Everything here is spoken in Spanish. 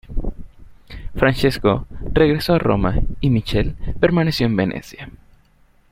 Francesco regresó a Roma y Michele permaneció en Venecia.